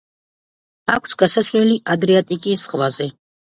აქვს გასასვლელი ადრიატიკის ზღვაზე.